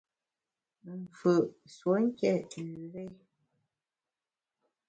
Mfù’ nsuonké üre !